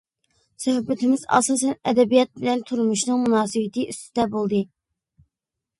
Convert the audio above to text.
سۆھبىتىمىز ئاساسەن ئەدەبىيات بىلەن تۇرمۇشنىڭ مۇناسىۋىتى ئۈستىدە بولدى.